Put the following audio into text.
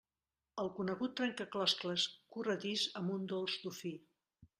El conegut trencaclosques corredís amb un dolç Dofí.